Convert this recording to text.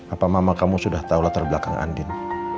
apa mama kamu sudah tahu latar belakang andin